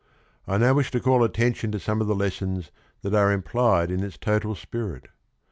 I now wish to call attention to some of the lessons that are implied in its total spirit.